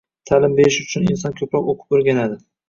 Taʼlim berish uchun inson ko‘proq o‘qib-o‘rganadi